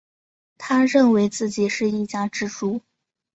他认为自己是一家之主